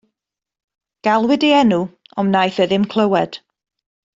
Galwyd ei enw ond wnaeth e ddim clywed.